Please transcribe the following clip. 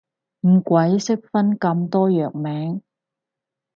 唔鬼識分咁多藥名